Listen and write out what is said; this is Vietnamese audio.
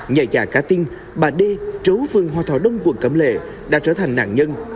nhà già cá tinh bà đê trấu vương hoa thỏa đông quận cẩm lệ đã trở thành nạn nhân